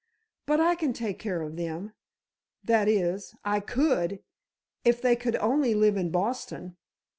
But I can take care of them—that is, I could—if they could only live in Boston.